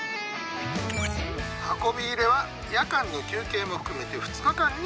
運び入れは夜間の休憩も含めて２日間にまたがったよ。